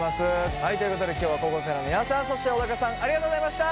はいということで今日は高校生の皆さんそして小高さんありがとうございました。